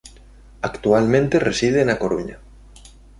Actualmente reside na Coruña.